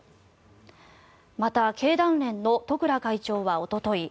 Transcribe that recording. また、経団連の十倉会長はおととい